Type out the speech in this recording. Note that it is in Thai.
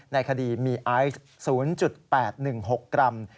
ในคดีมีไอซ์๐๘๑๖กรัม